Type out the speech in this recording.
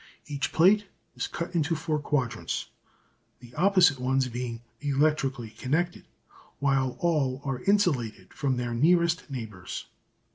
Each plate is cut into four quadrants, the opposite ones being electrically connected, while all are insulated from their nearest neighbours.